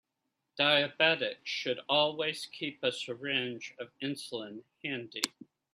Diabetics should always keep a syringe of insulin handy.